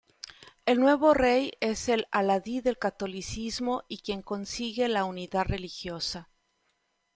El nuevo rey es el adalid del catolicismo y quien consigue la unidad religiosa.